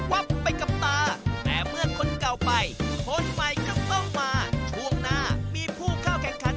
วันนี้ขอบคุณทั้งคู่เลยค่ะ